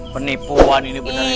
penipuan ini benar ini